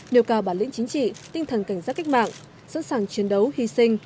nêu cao bản lĩnh chính trị tinh thần cảnh giác cách mạng sẵn sàng chiến đấu hy sinh